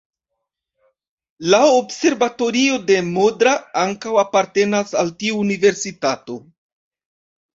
La observatorio de Modra ankaŭ apartenas al tiu universitato.